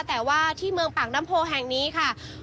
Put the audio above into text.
แต่ว่าที่เมืองปากน้ำโพแห่งนี้ค่ะ